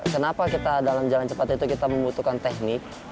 kenapa kita dalam jalan cepat itu kita membutuhkan teknik